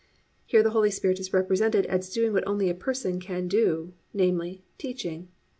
"+ Here the Holy Spirit is represented as doing what only a person could do, namely, teaching.